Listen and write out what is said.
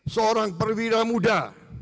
seorang perwira muda